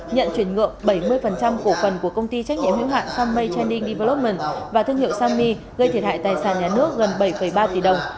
nhận chuyển nhượng bảy mươi cổ phần của công ty trách nhiệm hữu hạn sammei training development và thương hiệu sammei gây thiệt hại tài sản nhà nước gần bảy ba tỷ đồng